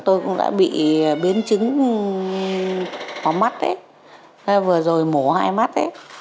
tôi cũng đã bị biến chứng có mắt vừa rồi mổ hai mắt ấy